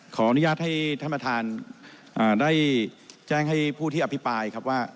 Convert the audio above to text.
ขออนุญาตให้ท่านประธานได้แจ้งให้ผู้ที่อภิปรายครับว่า